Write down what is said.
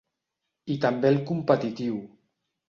I també el competitiu.